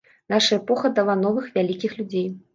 Наша эпоха дала новых вялікіх людзей.